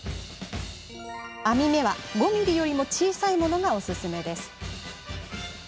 網目は５ｍｍより小さいものがおすすめです。